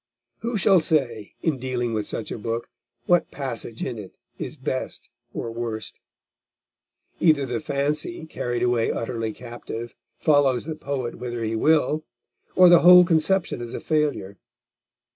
Who shall say, in dealing with such a book, what passage in it is best or worst? Either the fancy, carried away utterly captive, follows the poet whither he will, or the whole conception is a failure.